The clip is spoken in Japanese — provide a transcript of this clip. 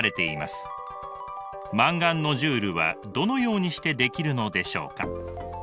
マンガンノジュールはどのようにしてできるのでしょうか？